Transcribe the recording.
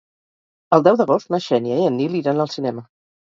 El deu d'agost na Xènia i en Nil iran al cinema.